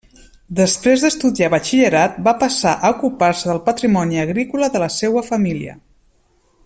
Després d'estudiar batxillerat va passar a ocupar-se del patrimoni agrícola de la seua família.